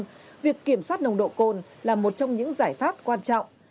nói chung việc kiểm soát nồng độ cồn là một trong những giải pháp quan trọng